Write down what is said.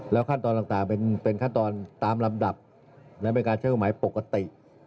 แล้วขั้นตอนต่างเป็นขั้นตอนตามลำดับและเป็นการใช้ภูมิปกติ